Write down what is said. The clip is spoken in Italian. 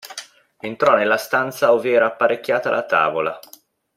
Entrò nella stanza ov'era apparecchiata la tavola.